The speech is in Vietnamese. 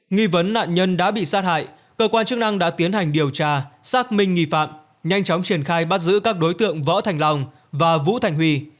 nghi vấn nạn nhân đã bị sát hại cơ quan chức năng đã tiến hành điều tra xác minh nghi phạm nhanh chóng triển khai bắt giữ các đối tượng võ thành long và vũ thành huy